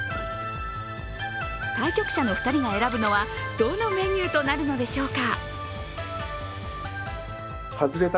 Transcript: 対局者の２人が選ぶのはどのメニューとなるのでしょうか？